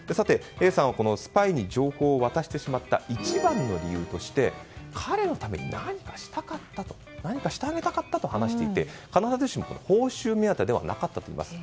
Ａさんは、このスパイに情報を渡してしまった一番の理由として彼のために何かしたかった何かしてあげたかったと話していて、必ずしも報酬が目当てではなかったといいます。